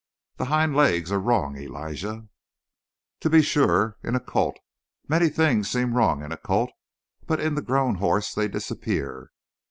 The hind legs are wrong, Elijah." "To be sure. In a colt. Many things seem wrong in a colt, but in the grown horse they disappear!"